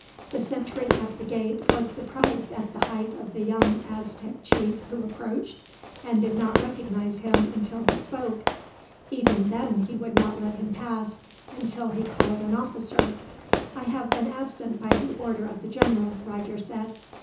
The sentry at the gate was surprised at the height of the young Aztec chief who approached, and did not recognize him until he spoke. Even then he would not let him pass, until he called an officer. "I have been absent by the order of the general," Roger said.